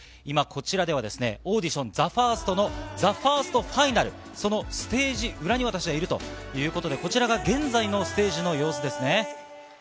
今、こちらではですね、オーディションＴＨＥＦＩＲＳＴのＴＨＥＦＩＲＳＴＦＩＮＡＬ、そのステージ裏に、私はいるということで、こちらが現在のステージの様子ですね。